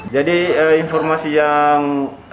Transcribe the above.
jadi informasi yang